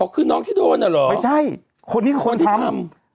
คือน้องที่โดนอ่ะเหรอไม่ใช่คนนี้คนทำ